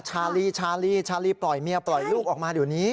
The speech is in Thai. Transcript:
ชาลีชาลีชาลีปล่อยเมียปล่อยลูกออกมาเดี๋ยวนี้